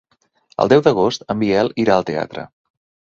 El deu d'agost en Biel irà al teatre.